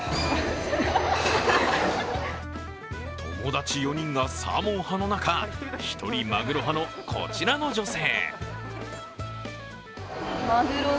友達４人がサーモン派の中一人、マグロ派のこちらの女性。